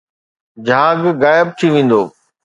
جھاگ غائب ٿي ويندو